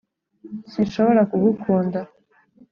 sinshobora kugukunda.